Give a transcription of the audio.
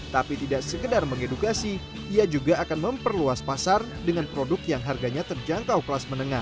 tapi tidak sekedar mengedukasi ia juga akan memperluas pasar dengan produk yang harganya terjangkau kelas menengah